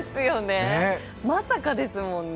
まさかですもんね。